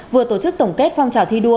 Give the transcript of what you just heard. vừa tổ chức tổng kết phong trào thi đua